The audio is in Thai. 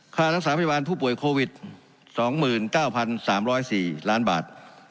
ค่ารักษาพยาบาลผู้ป่วยโควิด๒๙๓๐๔ล้านบาท